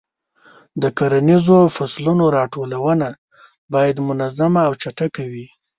د کرنیزو فصلونو راټولونه باید منظمه او چټکه وي.